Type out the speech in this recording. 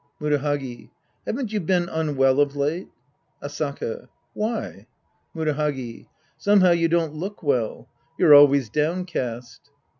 Murahagi. Haven't you been unwell of late ? Asaka. Why ? Murahagi. Somehow you don't look well. You're always downcast.